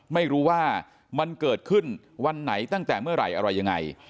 ไม่รู้ว่ามันเกิดขึ้นวันไหนตั้งแต่เมื่อไหร่อะไรยังไง